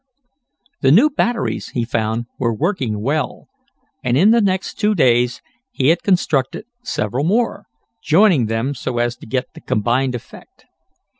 The new batteries, he found, were working well, and in the next two days he had constructed several more, joining them so as to get the combined effect.